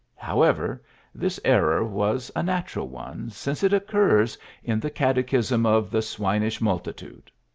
However, this error was a natural one, since it occurs in the "Catechism of the Swinish Multitude."